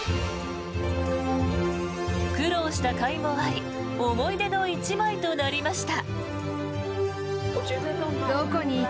苦労したかいもあり思い出の１枚となりました。